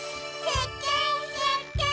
せっけん！